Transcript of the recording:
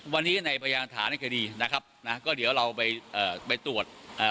วันนี้ในพยานฐานในคดีนะครับนะก็เดี๋ยวเราไปเอ่อไปตรวจเอ่อ